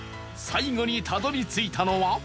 最後にたどり着いたのは